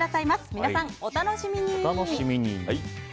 皆さん、お楽しみに。